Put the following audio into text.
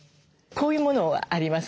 こういうものはあります。